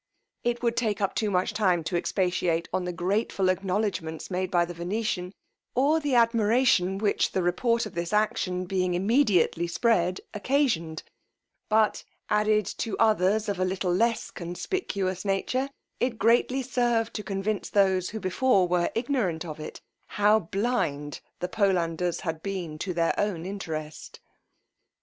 It would take up too much time to expatiate on the grateful acknowledgments made by the Venetian, or the admiration which the report of this action being immediately spread, occasioned; but, added to others of a little less conspicuous nature, it greatly served to convince those who before were ignorant of it, how blind the Polanders had been to their own interest.